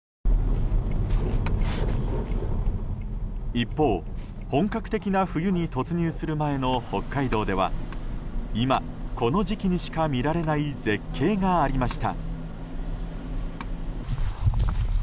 一方、本格的な冬に突入する前の北海道では今、この時期にしか見られない絶景がありました。